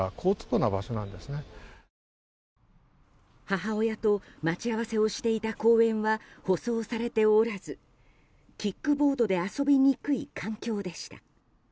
母親と待ち合わせをしていた公園は舗装されておらずキックボードで遊びにくい環境でした。